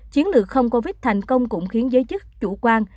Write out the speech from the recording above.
chiến lược không covid thành công cũng khiến giới chức chủ quan